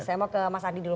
oke saya mau ke mas adi dulu